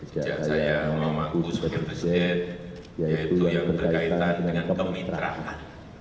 dan saya sama maku sebagai presiden yaitu yang berkaitan dengan kemitraan